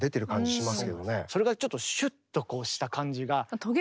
それがちょっとシュッとこうした感じが。